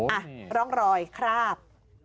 อ่ะร่องรอยคราบ